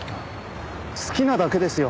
好きなだけですよ。